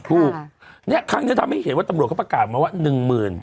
ถูกเนี่ยครั้งนี้ทำให้เห็นว่าตำรวจเขาประกาศมาว่าหนึ่งหมื่น